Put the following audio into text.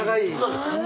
そうですね。